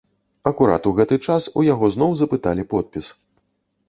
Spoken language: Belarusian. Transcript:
Акурат у гэты час у яго зноў запыталі подпіс.